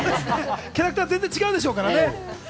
キャラクターが全然違うでしょうからね。